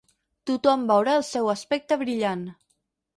Tothom veurà el seu aspecte brillant.